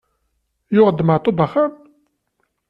Yuɣ-d Maɛṭub axxam?